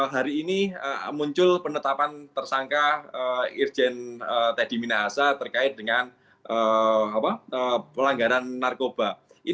hari ini muncul penetapan tersangka irjen teddy minahasa terkait dengan pelanggaran narkoba